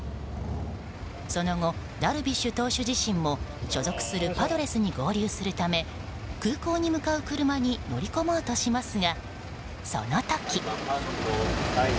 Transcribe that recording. その後、ダルビッシュ投手自身も所属するパドレスに合流するため空港に向かう車に乗り込もうとしますがその時。